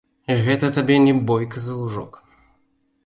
Гэта табе не бойка за лужок.